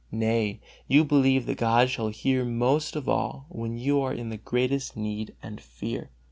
Nay, you believe that God shall hear most of all when you are in the greatest need and fear.